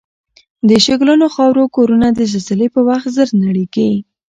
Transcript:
د شګلنو خاورو کورنه د زلزلې په وخت زر نړیږي